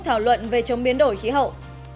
thảo luận về chống biến đổi khí hậu